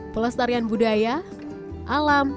pelestarian budaya alam